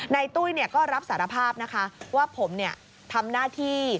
ตุ้ยก็รับสารภาพนะคะว่าผมทำหน้าที่